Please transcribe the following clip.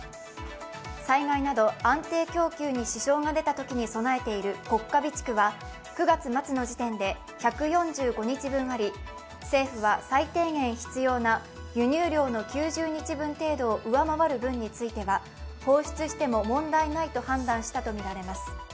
災害など安定供給に支障が出たときに備えている国家備蓄は９月末の時点で１４５日分あり、政府は最低限必要な輸入量の９０人分程度を上回る分については放出しても問題ないと判断したとみられます。